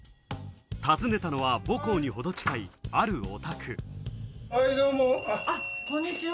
訪ねたのは母校にほど近い、あるお宅。